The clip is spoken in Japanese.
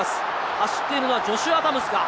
走っているのはジョシュ・アダムスか。